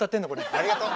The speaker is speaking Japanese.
ありがとう。